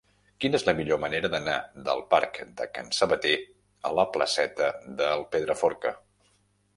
Quina és la millor manera d'anar del parc de Can Sabater a la placeta del Pedraforca?